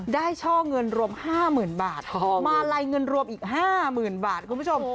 ช่อเงินรวม๕๐๐๐บาทมาลัยเงินรวมอีก๕๐๐๐บาทคุณผู้ชม